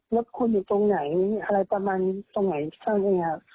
แล้วคนอยู่ตรงไหนอะไรประมาณตรงไหนทางไหนครับ